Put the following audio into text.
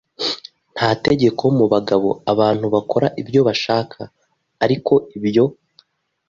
nta tegeko mu bagabo, abantu bakora ibyo bashaka. Ariko ibyo